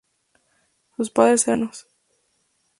Sus padres eran ucranianos, de orígenes cosacos y campesinos.